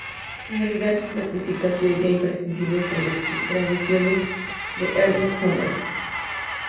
Sin olvidar sus magníficas y hoy ya imprescindibles traducciones de Ernst Jünger.